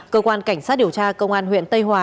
cơ quan cảnh sát điều tra công an huyện tây hòa